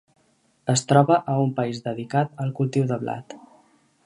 Es troba a un país dedicat al cultiu de blat.